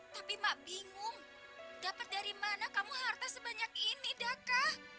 tapi mak bingung dapat dari mana kamu harta sebanyak ini daka